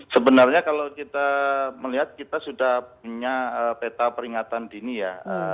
sebenarnya kalau kita melihat kita sudah punya peta peringatan dini ya